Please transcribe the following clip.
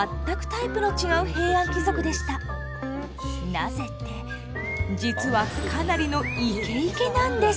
なぜって実はかなりのイケイケなんです。